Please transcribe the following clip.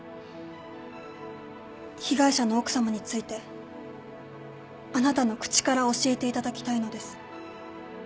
被害者の奥さまについてあなたの口から教えていただきたいのです。